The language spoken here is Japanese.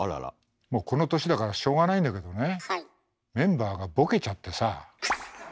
もうこの年だからしょうがないんだけどねそんな。